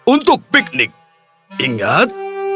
untuk piknik ingat